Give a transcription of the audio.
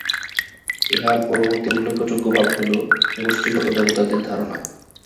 ইহার পরবর্তী উল্লেখযোগ্য ভাব হইল গোষ্ঠীগত দেবতাদের ধারণা।